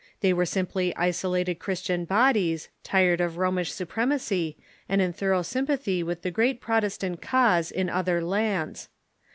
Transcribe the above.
They were simply isolated Chris tian bodies, tired of Romish supremacj^ and in thorough sym pathy with the great Protestant cause in other lands.